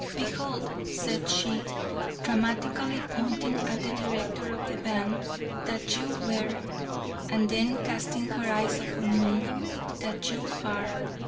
Behold," said she, dramatically pointing at the director of the band, "that you were," and then casting her eyes upon me, "that you are.